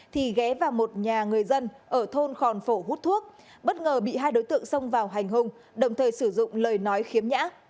thì ghé vào một nhà người dân ở thôn khòn phổ hút thuốc bất ngờ bị hai đối tượng xông vào hành hung đồng thời sử dụng lời nói khiếm nhã